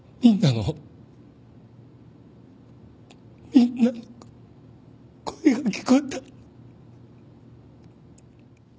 みんなの声が聞こえた。